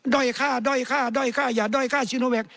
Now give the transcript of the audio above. ด้อยค่าด้อยค่าด้อยค่าอย่าด้อยค่าซีโนแวค